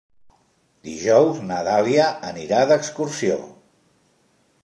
Dijous na Dàlia anirà d'excursió.